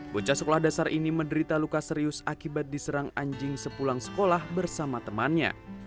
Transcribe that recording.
bocah sekolah dasar ini menderita luka serius akibat diserang anjing sepulang sekolah bersama temannya